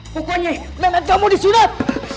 pokoknya mehmet gak mau disunat